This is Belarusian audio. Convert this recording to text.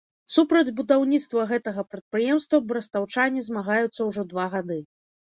Супраць будаўніцтва гэтага прадпрыемства брастаўчане змагаюцца ўжо два гады.